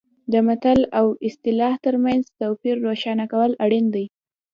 د متل او اصطلاح ترمنځ توپیر روښانه کول اړین دي